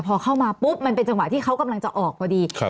พอเข้ามาปุ๊บมันเป็นจังหวะที่เขากำลังจะออกพอดี